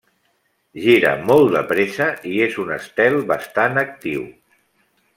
Gira molt de pressa i és un estel bastant actiu.